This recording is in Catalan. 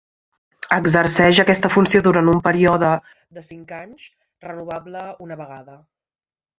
Exerceix aquesta funció durant un període de cinc anys, renovable una vegada.